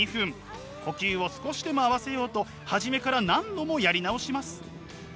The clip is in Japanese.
呼吸を少しでも合わせようと初めから何度もやり直します。